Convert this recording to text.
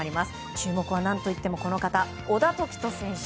注目は何といっても小田凱人選手。